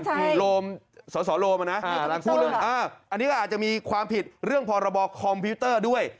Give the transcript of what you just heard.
คือสอสอโรมอ่ะนะอันนี้ก็อาจจะมีความผิดเรื่องพรบคอมพิวเตอร์ด้วย